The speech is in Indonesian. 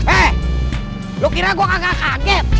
eh lu kira gua kaget